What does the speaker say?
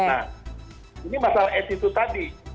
nah ini masalah attitude tadi